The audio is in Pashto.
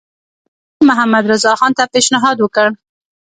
ده محمدرضاخان ته پېشنهاد وکړ.